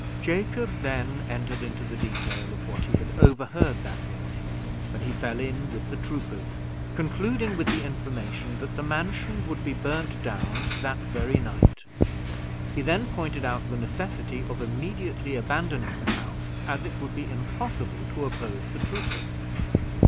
Jacob then entered into the detail of what he had overheard that morning, when he fell in with the troopers, concluding with the information, that the mansion would be burned down that very night. He then pointed out the necessity of immediately abandoning the house, as it would be impossible to oppose the troopers.